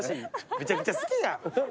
めちゃくちゃ好きやん。